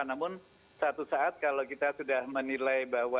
namun satu saat kalau kita sudah menilai bahwa